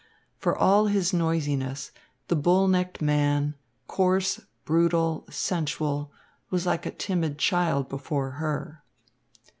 For all his noisiness the bull necked man, coarse, brutal, sensual, was like a timid child before her.